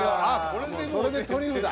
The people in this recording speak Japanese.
それでトリュフだ。